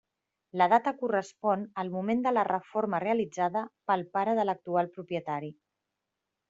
La data correspon al moment de la reforma realitzada pel pare de l’actual propietari.